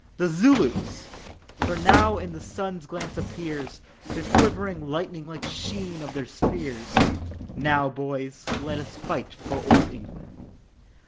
The Zulus! for now in the sun's glance appears The quivering lightning like sheen of their spears. "Now, boys, let us fight for Old England."